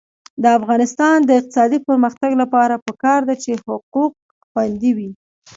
د افغانستان د اقتصادي پرمختګ لپاره پکار ده چې حقوق خوندي وي.